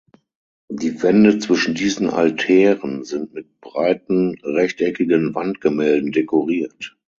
Die Wände zwischen diesen Altären sind mit breiten rechteckigen Wandgemälden dekoriert.